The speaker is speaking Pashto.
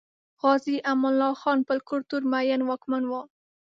غازي امان الله خان پر کلتور مین واکمن و.